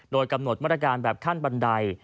โดยกำหนดมาตรการแบบขั้นบันได